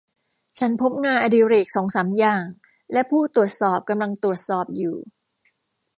ฉันพบงานอดิเรกสองสามอย่างและผู้ตรวจสอบกำลังตรวจสอบอยู่